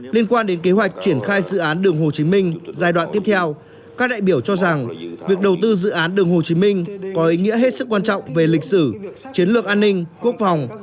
liên quan đến kế hoạch triển khai dự án đường hồ chí minh giai đoạn tiếp theo các đại biểu cho rằng việc đầu tư dự án đường hồ chí minh có ý nghĩa hết sức quan trọng về lịch sử chiến lược an ninh quốc phòng